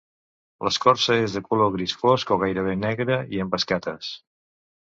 L'escorça és de color gris fosc a gairebé negre i amb escates.